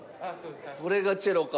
これがチェロか。